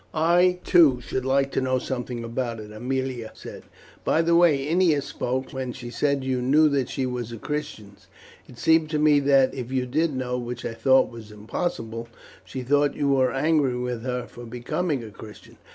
"I, too, should like to know something about it," Aemilia said. "By the way Ennia spoke, when she said you knew that she was a Christian, it seemed to me that, if you did know, which I thought was impossible, she thought you were angry with her for becoming a Christian."